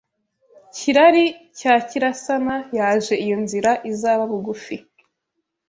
Kirari cya Kirasana yaje Iyo nzira izaba bugufi